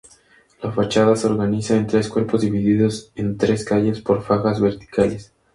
La fachada se organiza en tres cuerpos divididos en tres calles por fajas verticales.